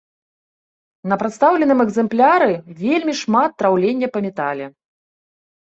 На прадстаўленым экземпляры вельмі шмат траўлення па метале.